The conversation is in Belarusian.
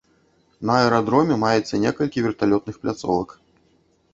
На аэрадроме маецца некалькі верталётных пляцовак.